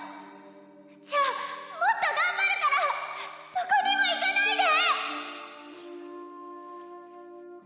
じゃあもっと頑張るからどこにも行かないで！